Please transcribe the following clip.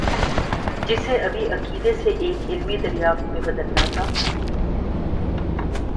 جسے ابھی عقیدے سے ایک علمی دریافت میں بدلنا تھا۔